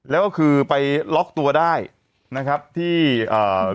แล้วก็คือไปล็อกตัวได้นะครับที่อ่า